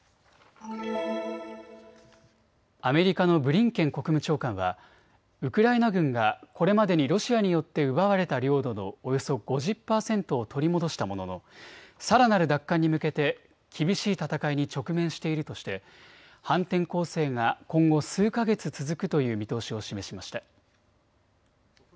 アメリカのブリンケン国務長官はウクライナ軍がこれまでにロシアによって奪われた領土のおよそ５０％を取り戻したもののさらなる奪還に向けて厳しい戦いに直面しているとして反転攻勢が今後数か月続くという見通しを示しました。